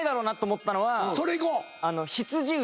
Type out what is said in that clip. それいこう！